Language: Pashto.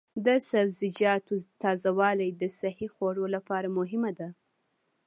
د سبزیجاتو تازه والي د صحي خوړو لپاره مهمه ده.